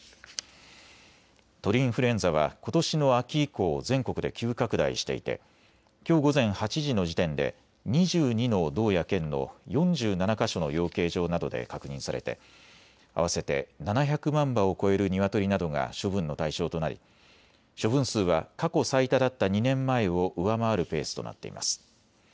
鳥インフルエンザはことしの秋以降、全国で急拡大していてきょう午前８時の時点で２２の道や県の４７か所の養鶏場などで確認されて７００万羽を超えるニワトリなどが処分の対象となり処分数は過去最多だった２年前を上回るペースとなっています。